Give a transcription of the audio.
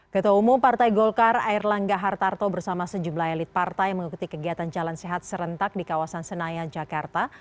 ketua umum partai golkar air langga hartarto bersama sejumlah elit partai mengikuti kegiatan jalan sehat serentak di kawasan senayan jakarta